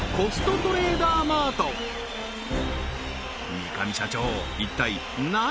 三上社長